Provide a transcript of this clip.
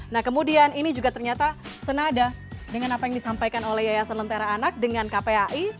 nah kemudian ini juga ternyata senada dengan apa yang disampaikan oleh yayasan lentera anak dengan kpai